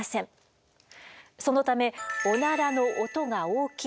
そのためオナラの音が大きい